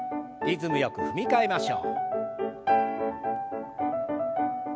リズムよく踏み替えましょう。